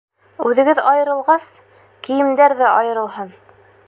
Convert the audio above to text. Үҙегеҙ айырылғас, кейемдәр ҙә айырылһын!